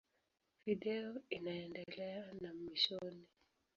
Video inaendelea na mwishoni.